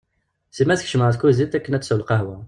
Sima tekcem ɣer tkuzint akken ad tessew lqahwa.